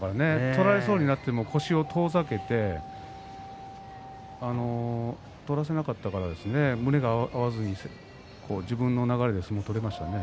取られそうになっても腰を遠ざけて取らせなかったから胸が合わずに自分の流れで相撲を取れましたね。